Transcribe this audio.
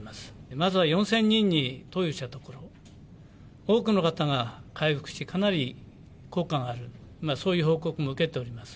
まずは４０００人に投与したところ、多くの方が回復してかなり効果がある、そういう報告も受けております。